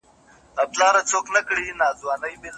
نوم به مي نه ستا نه د زمان په زړه کي پاته وي